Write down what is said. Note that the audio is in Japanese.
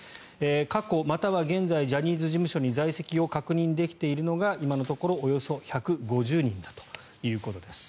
過去、または現在ジャニーズ事務所に在籍を確認できているのは今のところおよそ１５０人だということです。